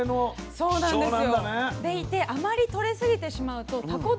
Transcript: そうなんですよ。